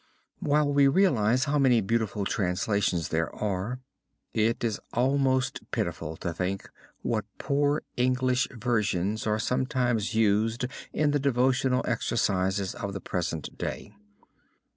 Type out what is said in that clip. While we realize how many beautiful translations there are, it is almost pitiful to think what poor English versions are sometimes used in the devotional exercises of the present day.